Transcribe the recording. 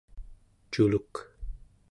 culuk